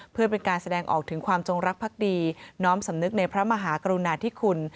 เพื่อเป็นการแสดงออกถึงความจงรักภักดีน้อมสำนึกในพระมหากรุณาธิคุณ